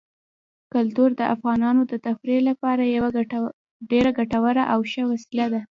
کلتور د افغانانو د تفریح لپاره یوه ډېره ګټوره او ښه وسیله ده.